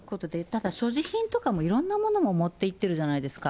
ただ所持品とかもいろんなものも持っていってるじゃないですか。